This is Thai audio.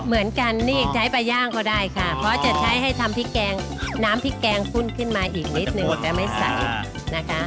เหมือนกันนี่ใช้ปลาย่างก็ได้ค่ะเพราะจะใช้ให้ทำพริกแกงน้ำพริกแกงฟุ่นขึ้นมาอีกนิดนึงจะไม่ใสนะคะ